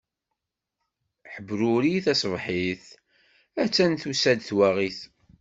Ḥebruri taṣebḥit, a-tt-an tusa-d twaɣit.